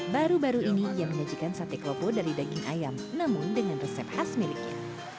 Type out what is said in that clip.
baru baru ini ia menyajikan sate klopo dari daging ayam namun dengan resep khas miliknya